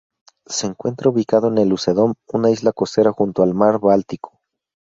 Se encuentra ubicado en el Usedom, una isla costera junto al mar Báltico.